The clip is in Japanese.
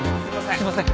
すいません。